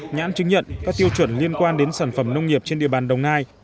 nhãn chứng nhận các tiêu chuẩn liên quan đến sản phẩm nông nghiệp trên địa bàn đồng nai